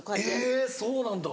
えぇそうなんだ。